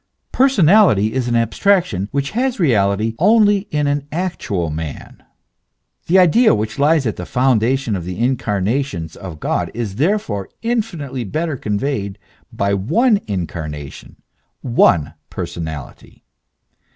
Personality is an ab straction, which has reality only in an actual man.* The idea which lies at the foundation of the incarnations of God is therefore infinitely better conveyed by one incarnation, one personality.